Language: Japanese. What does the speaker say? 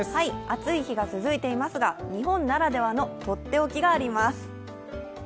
暑い日が続いていますが、日本ならではのとっておきがあります。